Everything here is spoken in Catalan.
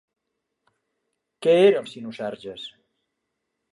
Què era el Cinosarges?